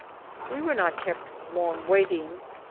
We were not kept long waiting.